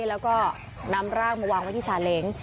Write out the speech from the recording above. แล้วก็นำร่างมาวางไว้ที่สาเล้ง